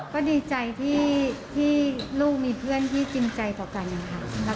ภูมิใจที่ลุ่งมีเพื่อนที่จินใจกับเขา